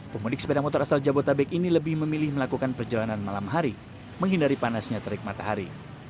pemudik sepeda motor asal jabodetabek ini lebih memilih melakukan perjalanan malam hari menghindari panasnya terik matahari